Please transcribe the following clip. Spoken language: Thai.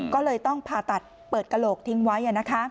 ก็เลยต้องผ่าตัดเปิดกระโหลกทิ้งไว้